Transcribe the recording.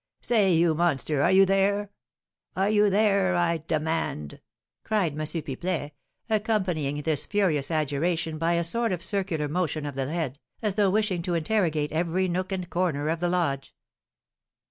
Say, you monster, are you there? Are you there, I demand?" cried M. Pipelet, accompanying this furious adjuration by a sort of circular motion of the head, as though wishing to interrogate every nook and corner of the lodge.